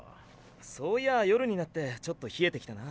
そういや夜になってちょっと冷えてきたな。